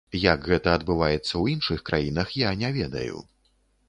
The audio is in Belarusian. Як гэта адбываецца ў іншых краінах, я не ведаю.